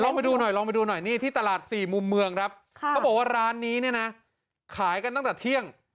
ลองไปดูหน่อยที่ตลาดสี่มุมเมืองครับเขาบอกว่าร้านนี้ขายกันตั้งแต่เที่ยง